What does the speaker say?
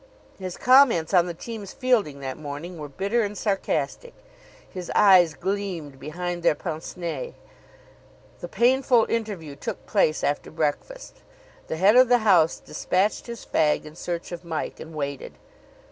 His comments on the team's fielding that morning were bitter and sarcastic. His eyes gleamed behind their pince nez. The painful interview took place after breakfast. The head of the house despatched his fag in search of Mike, and waited.